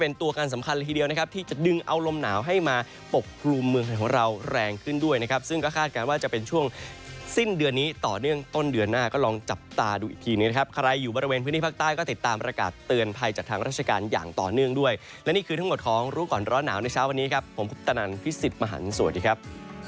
ในบริเวณพื้นที่ภาคใต้ก็ติดตามประกาศเตือนภัยจากทางราชการอย่างต่อเนื่องด้วยและนี่คือทั้งหมดของรู้ก่อนร้อนหนาวในเช้าวันนี้ครับผมคุณตนันพิศิษฐ์มหันต์สวัสดีครับ